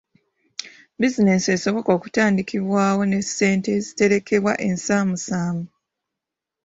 Bizinensi esoboka okutandikibwawo n'essente eziterekebwa ensaamusaamu.